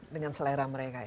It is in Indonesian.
dengan selera mereka ya